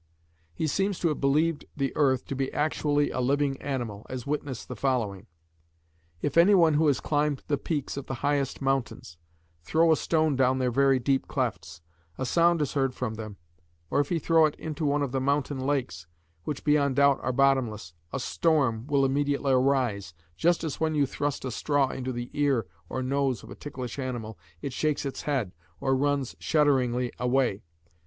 He seems to have believed the earth to be actually a living animal, as witness the following: "If anyone who has climbed the peaks of the highest mountains, throw a stone down their very deep clefts, a sound is heard from them; or if he throw it into one of the mountain lakes, which beyond doubt are bottomless, a storm will immediately arise, just as when you thrust a straw into the ear or nose of a ticklish animal, it shakes its head, or runs shudderingly away.